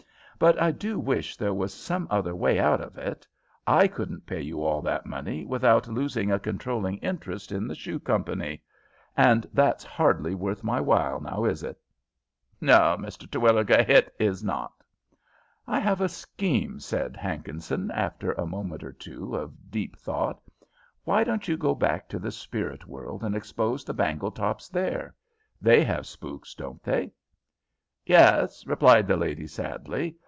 But I do wish there was some other way out of it. I couldn't pay you all that money without losing a controlling interest in the shoe company, and that's hardly worth my while, now is it?" "No, Mr. Terwilliger; hit is not." "I have a scheme," said Hankinson, after a moment or two of deep thought. "Why don't you go back to the spirit world and expose the Bangletops there? They have spooks, haven't they?" "Yes," replied the ghost, sadly.